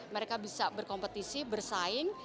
mereka bisa berkompetisi bersaing